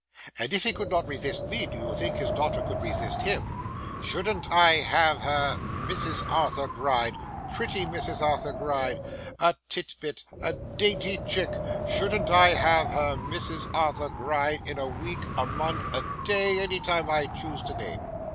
And if he could not resist ME, do you think his daughter could resist HIM? Shouldn't I have her Mrs. Arthur Gride pretty Mrs. Arthur Gride a tit bit a dainty chick shouldn't I have her Mrs. Arthur Gride in a week, a month, a day any time I chose to name?